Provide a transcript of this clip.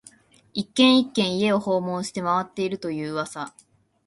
一軒、一軒、家を訪問して回っていると言う噂